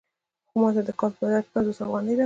خو ماته د کار په بدل کې پنځوس افغانۍ راکوي